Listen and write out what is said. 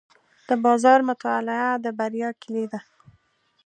د بازار مطالعه د بریا کلي ده.